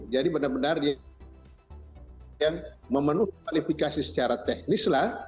jadi benar benar yang memenuhi kualifikasi secara teknis lah